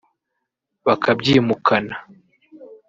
bakabyimukana